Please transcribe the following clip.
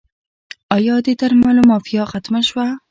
آیا د درملو مافیا ختمه شوه؟